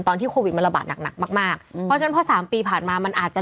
ตอนที่โควิดมันระบาดหนักหนักมากมากเพราะฉะนั้นพอสามปีผ่านมามันอาจจะ